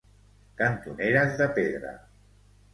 Cantoneres de pedra.